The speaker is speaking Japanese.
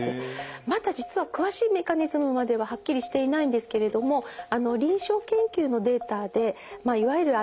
まだ実は詳しいメカニズムまでははっきりしていないんですけれども臨床研究のデータでいわゆる関節痛に対してですね